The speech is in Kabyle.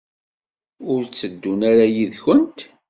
Ur tteddun ara yid-kent?